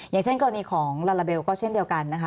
อย่างเช่นกรณีของลาลาเบลก็เช่นเดียวกันนะคะ